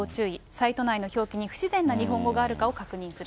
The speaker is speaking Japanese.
サイト内の表記に不自然な日本語があるか確認する。